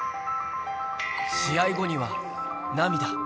試合後には涙。